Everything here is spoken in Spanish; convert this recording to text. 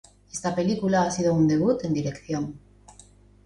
Esta película ha sido su debut en dirección.